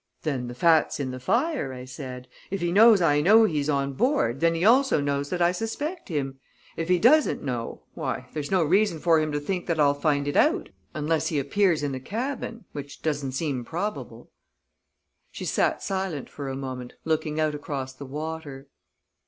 "Then the fat's in the fire," I said. "If he knows I know he's on board, then he also knows that I suspect him; if he doesn't know, why, there's no reason for him to think that I'll find it out, unless he appears in the cabin; which doesn't seem probable." She sat silent for a moment, looking out across the water.